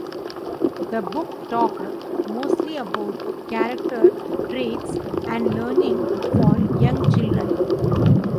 The book talked mostly about character traits and learning for young children.